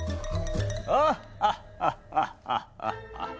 ・アハッハッハッハッハッハッ！